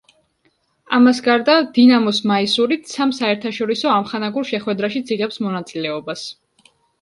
ამას გარდა, „დინამოს“ მაისურით სამ საერთაშორისო ამხანაგურ შეხვედრაშიც იღებს მონაწილეობას.